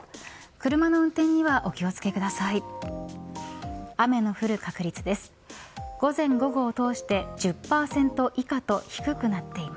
車の運転にはお気を付けください。